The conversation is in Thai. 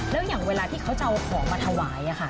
แล้วอย่างเวลาที่เขาจะเอาของมาถวาย